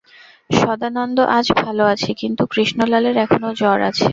সদানন্দ আজ ভাল আছে, কিন্তু কৃষ্ণলালের এখনও জ্বর আছে।